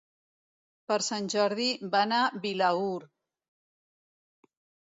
Per Sant Jordi van a Vilaür.